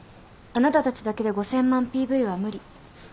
あなたたちだけで５，０００万ＰＶは無理。